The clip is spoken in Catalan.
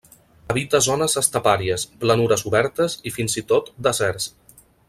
Habita zones estepàries, planures obertes i fins i tot deserts.